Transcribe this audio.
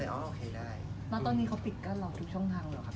แล้วตอนนี้เขาปิดการรอทุกช่องทางเหรอ